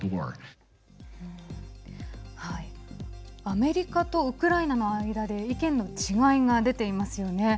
アメリカとウクライナの間で意見の違いが出ていますよね。